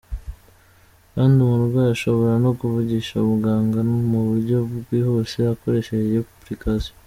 Kandi umurwayi ashobora no kuvugisha muganga mu buryo bwihuse akoresheje iyo application.”